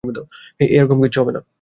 হেই, এরকম কিচ্ছু হবে না।